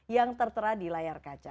yang tertera di layar kaca